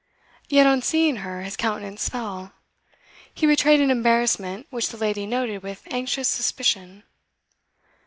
Yet on seeing her his countenance fell; he betrayed an embarrassment which the lady noted with anxious suspicion.